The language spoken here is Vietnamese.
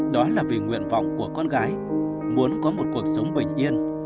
đó là vì nguyện vọng của con gái muốn có một cuộc sống bình yên